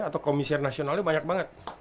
atau komisioner nasionalnya banyak banget